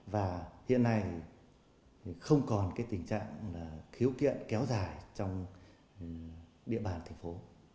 và hiện nay không còn cái tình trạng khiếu kiện kéo dài trong địa bàn thành phố